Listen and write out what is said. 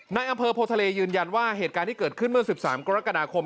ในอำเภอโพทะเลยืนยันว่าเหตุการณ์ที่เกิดขึ้นเมื่อ๑๓กรกฎาคม